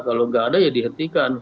kalau nggak ada ya dihentikan